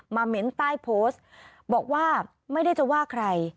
เม้นใต้โพสต์บอกว่าไม่ได้จะว่าใคร